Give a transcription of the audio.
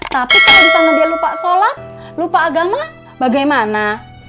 tapi kalau misalnya dia lupa sholat lupa agama bagaimana